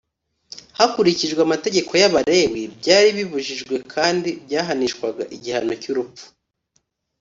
hakurikijwe amategeko y’abalewi, byari bibujijwe kandi byahanishwaga igihano cy’urupfu